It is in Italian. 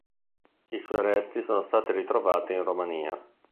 I suoi resti sono stati ritrovati in Romania.